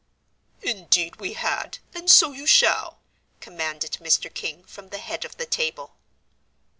"Indeed we had; and so you shall," commanded Mr. King, from the head of the table.